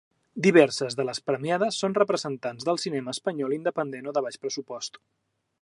Diverses de les premiades són representants del cinema espanyol independent o de baix pressupost.